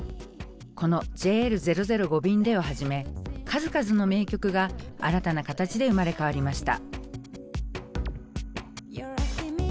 この「ＪＬ００５便で」をはじめ数々の名曲が新たな形で生まれ変わりました。